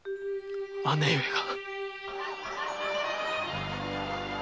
姉上が？